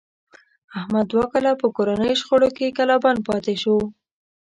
احمد دوه کاله په کورنیو شخړو کې کلا بند پاتې شو.